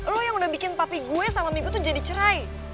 lo yang udah bikin papi gue sama migu tuh jadi cerai